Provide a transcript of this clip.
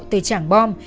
từ trạng bom